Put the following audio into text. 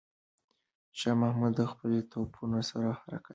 شاه محمود د خپلو توپونو سره حرکت کوي.